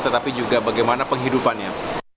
tetapi juga bagaimana penghidupannya